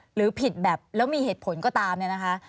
หรือผิดแบบแล้วมีเหตุผลก็ตามเนี่ยนะคะ